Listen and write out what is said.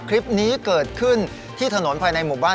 คลิปนี้เกิดขึ้นที่ถนนภายในหมู่บ้าน